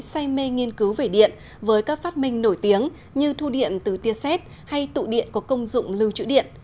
say mê nghiên cứu về điện với các phát minh nổi tiếng như thu điện từ tiêu xét hay tụ điện có công dụng lưu trữ điện